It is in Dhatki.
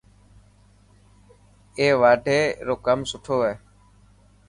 ائي واڍي رو ڪم سٺو هي.